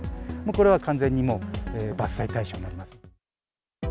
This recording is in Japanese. これは完全に伐採対象になります。